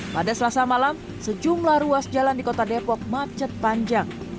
pada selasa malam sejumlah ruas jalan di kota depok macet panjang